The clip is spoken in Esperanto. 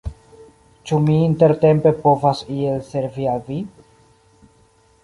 Ĉu mi intertempe povas iel servi al vi?